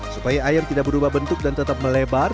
supaya air tidak berubah bentuk dan tetap melebar